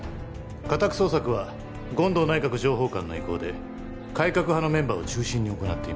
家宅捜索は権藤内閣情報官の意向で改革派のメンバーを中心に行っています。